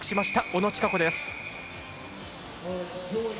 小野智華子です。